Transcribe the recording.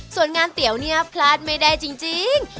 ส่วนงานเตี๋ยวเนี่ยพลาดไม่ได้จริง